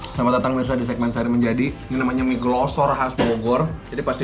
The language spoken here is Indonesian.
selamat datang bisa di segmen seri menjadi namanya mie glosor khas bogor jadi pasti